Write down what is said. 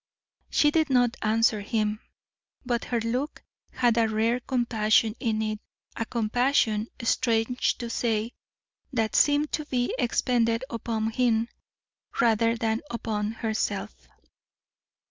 She did not answer him; but her look had a rare compassion in it, a compassion, strange to say, that seemed to be expended upon him rather than upon herself.